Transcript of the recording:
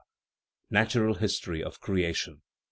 (Natural History of Creation).